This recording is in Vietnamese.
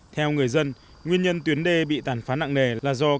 theo người dân nguyên nhân tuyến đê bị tàn phá nặng nề là do